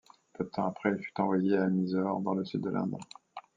Peu de temps après, il fut envoyé à Mysore, dans le sud de l'Inde.